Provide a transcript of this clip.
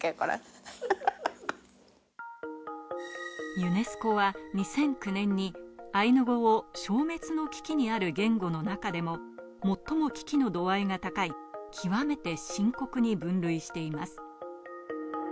ユネスコは２００９年にアイヌ語を消滅の危機にある言語の中でも、最も危機の度合いが高い、極めて深刻に分類しています。